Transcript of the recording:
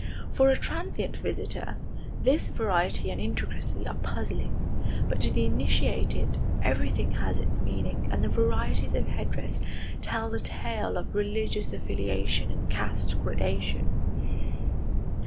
For a transient visitor, this variety and intricacy are puzzling, but to the initiated everything has its meaning and the varieties of headdress tell the tale of religious affiliation and caste gradation.